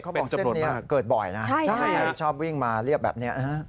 เขาบอกเส้นนี้เกิดบ่อยนะชอบวิ่งมาเรียบแบบนี้